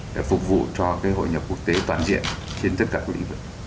để phục vụ cho hội nhập quốc tế toàn diện trên tất cả các lĩnh vực